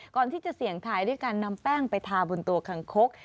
ก่อนที่จะเสี่ยงทายด้วยการนำแป้งไปทาบนตัวคังคก